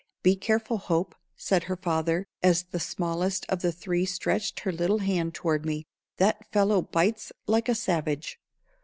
"Be careful, Hope," said her father, as the smallest of the three stretched her little hand toward me; "that fellow bites like a savage."